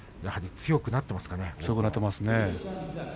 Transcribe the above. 強くなっていますね。